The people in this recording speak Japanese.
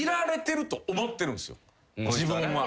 自分は。